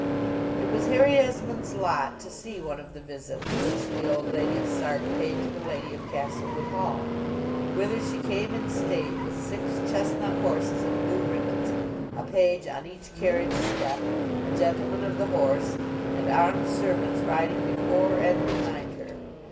It was Harry Esmond's lot to see one of the visits which the old Lady of Sark paid to the Lady of Castlewood Hall: whither she came in state with six chestnut horses and blue ribbons, a page on each carriage step, a gentleman of the horse, and armed servants riding before and behind her.